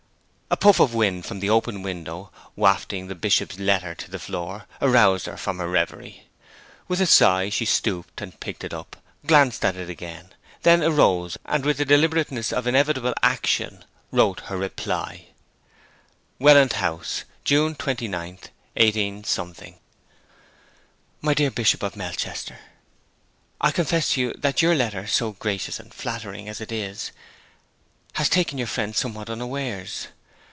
A puff of wind from the open window, wafting the Bishop's letter to the floor, aroused her from her reverie. With a sigh she stooped and picked it up, glanced at it again; then arose, and with the deliberateness of inevitable action wrote her reply: 'WELLAND HOUSE, June 29, 18 . 'MY DEAR BISHOP OF MELCHESTER, I confess to you that your letter, so gracious and flattering as it is, has taken your friend somewhat unawares.